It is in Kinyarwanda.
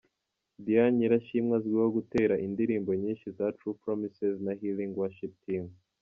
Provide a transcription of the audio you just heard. Diane Nyirashimwe azwiho gutera indirimbo nyinshi za True Promises na Healing Worship team.